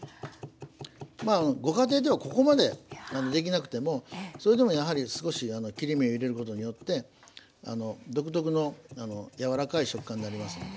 まあご家庭ではここまでできなくてもそれでもやはり少し切り目を入れることによって独特のやわらかい食感になりますので。